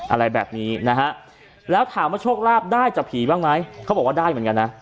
อะไรแบบนี้นะฮะแล้วถามว่าโชคลาภได้จากผีบ้างไหมเขาบอกว่าได้เหมือนกันนะ